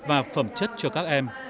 và phẩm chất cho các em